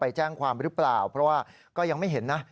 แจ้งความหรือเปล่าเพราะว่าก็ยังไม่เห็นนะ